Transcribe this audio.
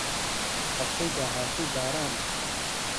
هەفتەی داهاتوو بارانە.